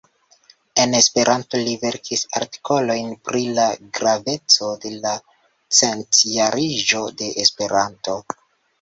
En Esperanto, li verkis artikolojn pri la graveco de la Centjariĝo de Esperanto.